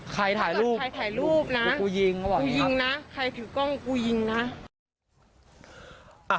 ใครถ่ายรูปนะนะครับใครถือกล้องกูยิงนะ